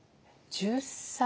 １０歳？